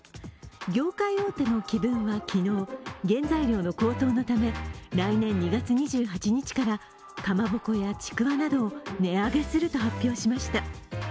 業界大手の紀文は昨日、原材料の高騰のため来年２月２８日からかまぼこやちくわなどを値上げすると発表しました。